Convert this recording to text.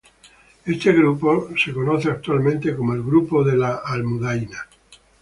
Este grupo es conocido actualmente como "El grupo de La Almudaina".